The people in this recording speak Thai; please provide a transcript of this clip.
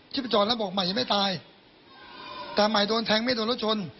ไปจอดแล้วบอกใหม่ยังไม่ตายแต่ใหม่โดนแทงไม่โดนรถชน